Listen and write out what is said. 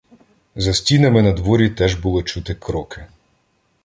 За стінами надворі теж було чути кроки